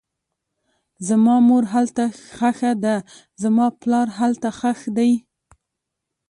زما مور هلته ښخه ده, زما پلار هلته ښخ دی